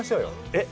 えっ？